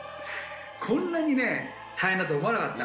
こんなにね、大変だと思わなかった。